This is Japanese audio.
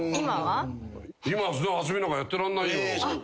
今はそんな遊びなんかやってらんないよ。